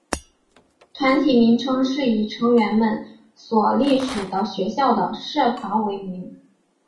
团体名称是以成员们所隶属的学校的社团为名。